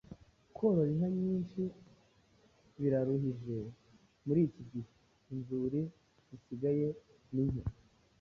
Korora inka nyinshi biraruhije muri iki gihe. Inzuri zisigaye ni nke.